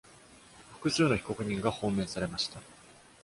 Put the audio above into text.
複数の被告人が放免されました。